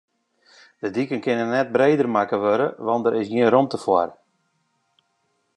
De diken kinne net breder makke wurde, want dêr is gjin romte foar.